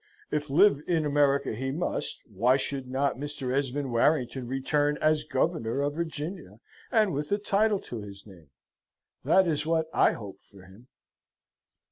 If live in America he must, why should not Mr. Esmond Warrington return as Governor of Virginia, and with a title to his name? That is what I hope for him.